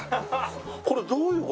これどういう事？